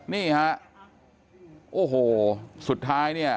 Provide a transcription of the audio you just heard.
นี่ฮะโอ้โหสุดท้ายเนี่ย